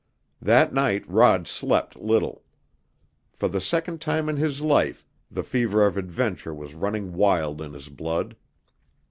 That night Rod slept little. For the second time in his life the fever of adventure was running wild in his blood.